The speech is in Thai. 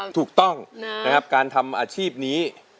ถูกต้องนะครับการทำอาชีพนี้